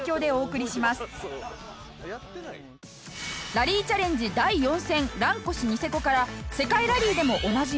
ラリーチャレンジ第４戦蘭越・ニセコから世界ラリーでもおなじみ